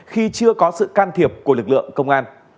khi chưa có sự can thiệp của lực lượng công an